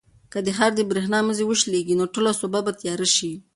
که د ښار د برېښنا مزي وشلېږي نو ټوله سوبه به تیاره شي.